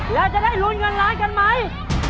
แล้วจะได้ลุ้นเงินล้านกันไหม